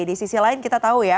di sisi lain kita tahu ya